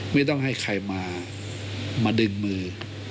ไม่ต้องให้ใครมามาดึงมือ